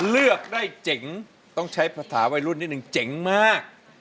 เลือกได้เจ๋งต้องใช้ภาษาวัยรุ่นนิดนึงเจ๋งมาก